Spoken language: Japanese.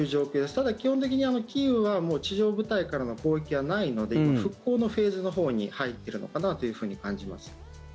ただ、基本的にキーウはもう地上部隊からの攻撃はないので今、復興のフェーズのほうに入ってるのかなと感じます。